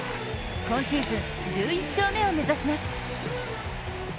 今シーズン１１勝目を目指します。